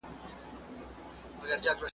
ښکارول به یې سېلونه د مرغانو `